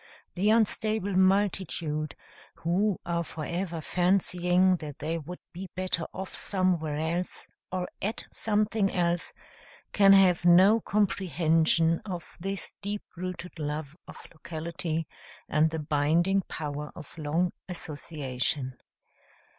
The unstable multitude, who are forever fancying that they would be better off somewhere else or at something else, can have no comprehension of this deep rooted love of locality and the binding power of long association.